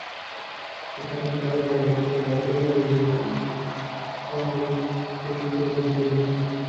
Está nombrado por el observatorio donde se hizo el descubrimiento.